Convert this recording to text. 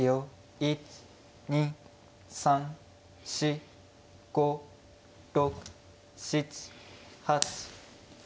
１２３４５６７８。